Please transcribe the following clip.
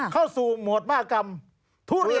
เข้าสู่โหมดมหากรรมทุเรียน